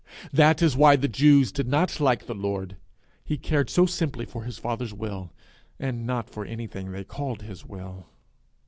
That is why the Jews did not like the Lord: he cared so simply for his father's will, and not for anything they called his will.